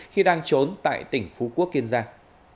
khi đang trốn tại tỉnh phú quốc kiên giang